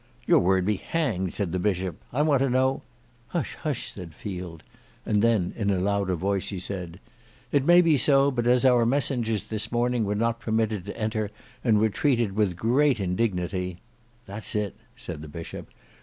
"Your word be hanged," said the Bishop. "I want to know—" "Hush, hush!" said Field, and then in a louder voice he said, "It may be so, but as our messengers this morning were not permitted to enter and were treated with great indignity—" "That's it," said the Bishop.